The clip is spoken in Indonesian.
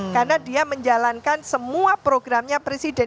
karena dia menjalankan semua programnya presiden